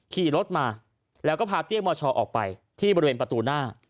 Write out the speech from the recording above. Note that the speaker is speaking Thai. ขี่รถมาแล้วก็พาเตี้ยมชออกไปที่บริเวณประตูหน้า